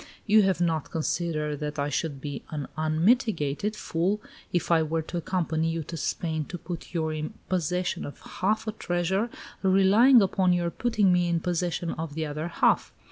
"You have not considered that I should be an unmitigated fool if I were to accompany you to Spain to put you in possession of half a treasure, relying upon your putting me in possession of the other half.